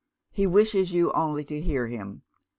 He wishes you only to hear him.